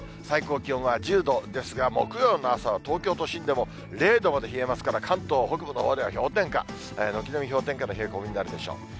最高気温は１０度ですが、木曜の朝は東京都心でも０度まで冷えますから、関東北部のほうでは氷点下、軒並み氷点下の冷え込みになるでしょう。